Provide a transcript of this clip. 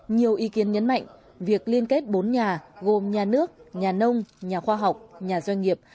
nhiều ý kiến nhấn mạnh việc liên kết bốn nhà gồm nhà nước nhà nông nhà khoa học nhà doanh nghiệp